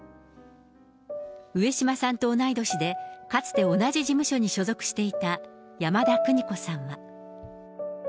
上島さんと同い年で、かつて同じ事務所に所属していた山田邦子さんは。